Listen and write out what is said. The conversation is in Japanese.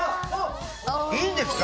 いいんですか？